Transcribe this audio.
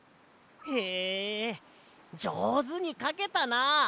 へえじょうずにかけたな！